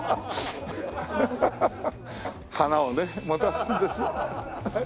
花をね持たすんです。